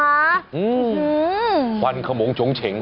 อืมฟันขมงชงเฉง